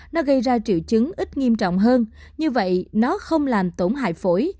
nó gây ra triệu chứng ít nghiêm trọng hơn như vậy nó không làm tổn hại phổi